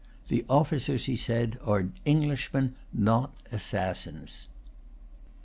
"The officers," he said, "are Englishmen, not assassins."